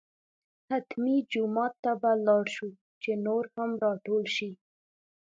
حتمي جومات ته به لاړ شو چې نور هم راټول شي.